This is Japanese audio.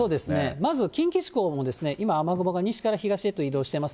まず近畿地方も今、雨雲が西から東へと移動してます。